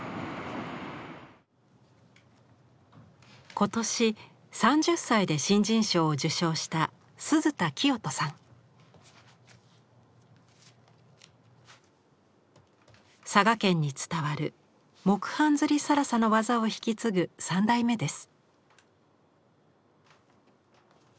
今年３０歳で新人賞を受賞した佐賀県に伝わる木版摺更紗の技を引き継ぐ３代目です。